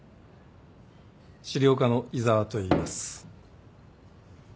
資料課の井沢といいます。